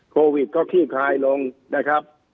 โควิดก็ขี้คลายลงนะครับ